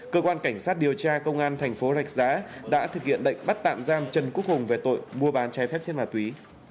cơ quan cảnh sát điều tra công an thành phố rạch giá đã thực hiện lệnh bắt tạm giam trần quốc hùng về tội mua bán trái phép chất ma túy